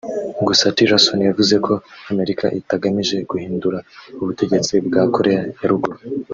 gusa Tillerson yavuze ko Amerika itagamije guhindura ubutegetsi bwa Koreya ya Ruguru